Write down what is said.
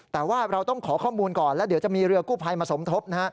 แต่ว่าเราต้องขอข้อมูลก่อนแล้วเดี๋ยวจะมีเรือกู้ภัยมาสมทบนะฮะ